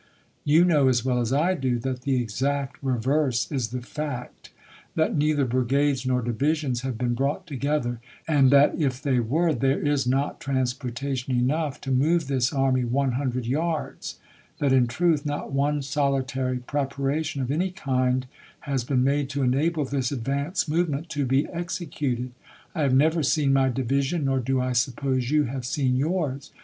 You know, as well as I do, that the exact reverse is the fact; that neither brigades nor divisions have been brought together, and that if they were there is not transportation enough to move this army one hundred yards; that, in truth, not one sohtary preparation of any kind has been made to enable this advance move ment to be executed. I have never seen my division, nor do I suppose you have seen yours.